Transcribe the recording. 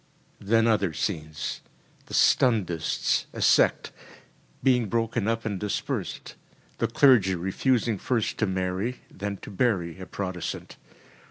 ‚ÄĚ Then other scenes. The Stundists a sect being broken up and dispersed; the clergy refusing first to marry, then to bury a Protestant.